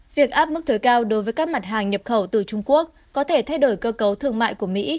việc áp mức thuế cao đối với các mặt hàng nhập khẩu từ trung quốc có thể thay đổi cơ cấu thương mại của mỹ